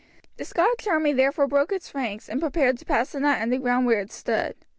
The Scotch army therefore broke its ranks and prepared to pass the night on the spot where it stood.